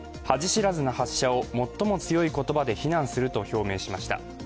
知らずな発射を最も強い言葉で非難すると表明しました。